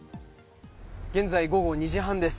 現在、午後２時半です。